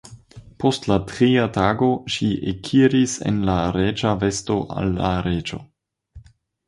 Post la tria tago ŝi ekiris en la reĝa vesto al la reĝo.